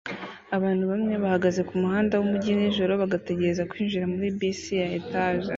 Abantu bamwe bahagaze kumuhanda wumujyi nijoro bagategereza kwinjira muri bisi ya etage